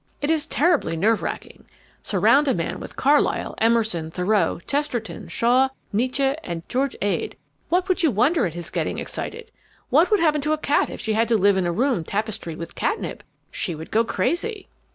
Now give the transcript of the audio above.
It is terribly nerve racking. Surround a man with Carlyle, Emerson, Thoreau, Chesterton, Shaw, Nietzsche, and George Ade would you wonder at his getting excited? What would happen to a cat if she had to live in a room tapestried with catnip? She would go crazy!"